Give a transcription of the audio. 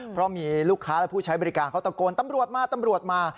เพราะมีลูกค้าและผู้ใช้บริการเขาตะโกนตำรวจมาตำรวจมา